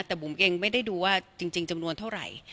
แต่บุ๋มเองไม่ได้ดูว่าจริงจำนวนเท่าไหร่